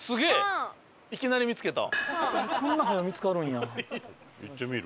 こんな早う見つかるんや。